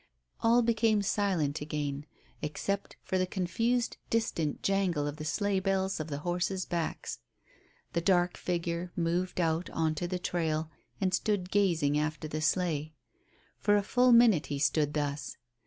All became silent again, except for the confused, distant jangle of the sleigh bells on the horses' backs. The dark figure moved out on to the trail, and stood gazing after the sleigh. For a full minute he stood thus.